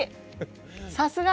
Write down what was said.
さすが！